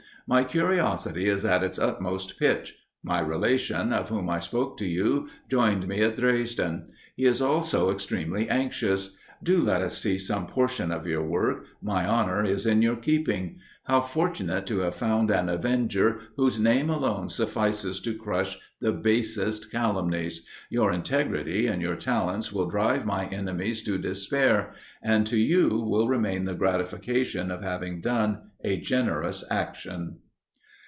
My curiosity is at its utmost pitch. My relation, of whom I spoke to you, joined me at Dresden; he is also extremely anxious. Do let us see some portion of your work. My honour is in your keeping. How fortunate to have found an avenger, whose name alone suffices to crush the basest calumnies! Your integrity and your talents will drive my enemies to despair, and to you will remain the gratification of having done a generous action."